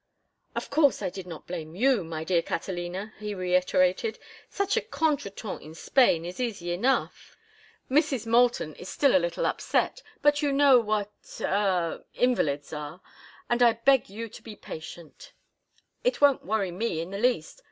"Of course I did not blame you, my dear Catalina," he reiterated. "Such a contretemps in Spain is easy enough. Mrs. Moulton is still a little upset, but you know what—er—invalids are, and I beg you to be patient—" "It won't worry me in the least.